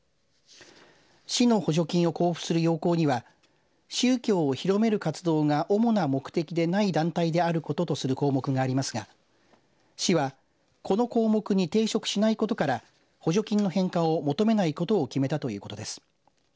市の補助金を交付する要綱には宗教を広める活動が主な目的でない団体であることとする項目がありますが市はこの項目に抵触しないことから補助金の返還を求めないことを決めたということです。